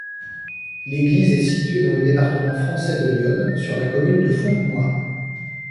L'église est située dans le département français de l'Yonne, sur la commune de Fontenoy.